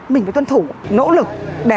mình phải tuân thủ nỗ lực